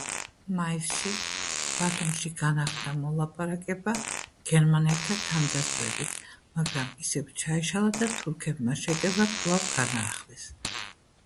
მაისში ბათუმში განახლდა მოლაპარაკება გერმანელთა თანდასწრებით, მაგრამ ისევ ჩაიშალა და თურქებმა შეტევა კვლავ განაახლეს.